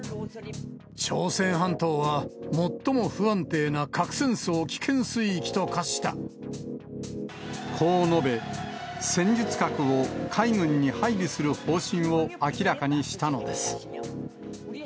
朝鮮半島は最も不安定な核戦こう述べ、戦術核を海軍に配備する方針を明らかにしたのです。